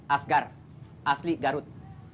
asgar asli garut